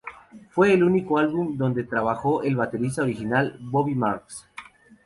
Fue el único álbum donde trabajó el baterista original Bobby Marks.